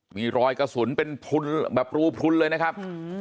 มีรอยกระสุนเป็นพลุนแบบรูพลุนเลยนะครับ